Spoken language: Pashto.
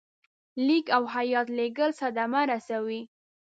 لیک او هیات لېږل صدمه رسوي.